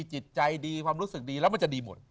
จิตใจดีความรู้สึกดีแล้วมันจะดีหมด